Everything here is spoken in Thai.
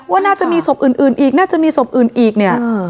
ว่าน่าจะมีศพอื่นอีกน่าจะมีศพอื่นอีกเนี่ย